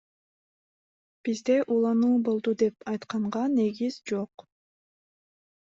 Бизде уулануу болду деп айтканга негиз жок.